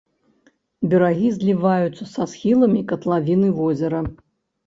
Берагі зліваюцца са схіламі катлавіны возера.